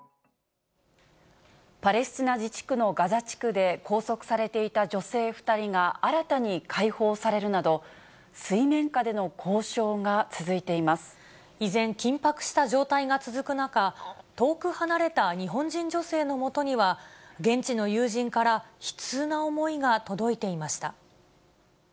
パレスチナ自治区のガザ地区で拘束されていた女性２人が新たに解放されるなど、依然、緊迫した状態が続く中、遠く離れた日本人女性のもとには現地の友人から悲痛な思いが届いていました。